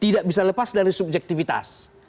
tidak bisa lepas dari subjektivitas